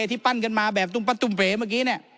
ที่ปั้นกันมาแบบปัตถุลเบนะ